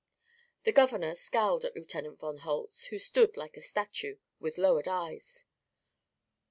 The governor scowled at Lieutenant von Holtz, who stood like a statue, with lowered eyes.